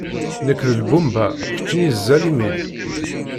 Nekk d lbumba, keččini d zzalimiḍ.